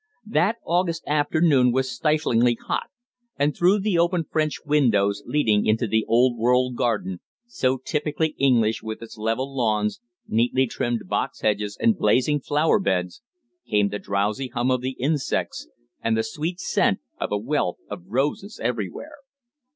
That August afternoon was stiflingly hot, and through the open French windows leading into the old world garden, so typically English with its level lawns, neatly trimmed box hedges and blazing flowerbeds, came the drowsy hum of the insects and the sweet scent of a wealth of roses everywhere.